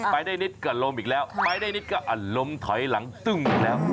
ไปได้นิดก็ลมอีกแล้วไปได้นิดก็อารมณ์ถอยหลังตึ้งอีกแล้ว